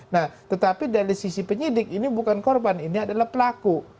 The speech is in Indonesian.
nah tetapi dari sisi penyidik ini bukan korban ini adalah pelaku